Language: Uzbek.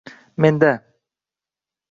Menda!